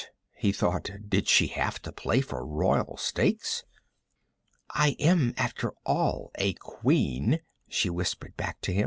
_ he thought. Did she have to play for royal stakes? "I am, after all, a Queen," she whispered back to him.